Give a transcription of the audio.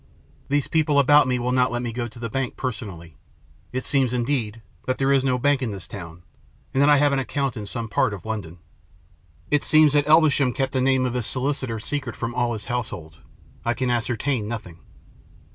These people about me will not let me go to the bank personally. It seems, indeed, that there is no bank in this town, and that I have an account in some part of London. It seems that Elvesham kept the name of his solicitor secret from all his household I can ascer tain nothing.